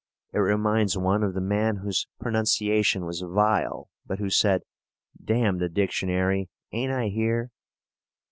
It reminds one of the man whose pronunciation was vile, but who said: "Damn the dictionary; ain't I here?"